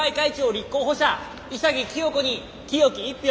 立候補者潔清子に清き１票！